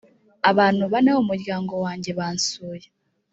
abantu bane bo mu muryango wanjye bansuye